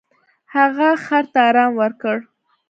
هغه خر ته ارام ورکړ.